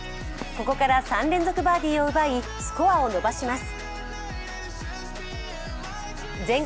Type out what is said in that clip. ここから３連続バーディーを奪いスコアを伸ばします。